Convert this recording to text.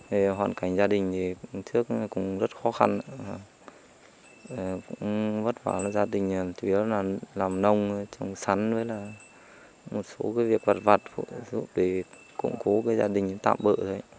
về hoàn cảnh gia đình thì trước cũng rất khó khăn cũng vất vả gia đình chủ yếu là làm nông trồng sắn với là một số cái việc vật vật để củng cố gia đình tạm bự